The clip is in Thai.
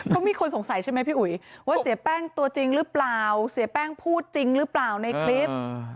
เขามีคนสงสัยใช่ไหมพี่อุ๋ยว่าเสียแป้งตัวจริงหรือเปล่าเสียแป้งพูดจริงหรือเปล่าในคลิป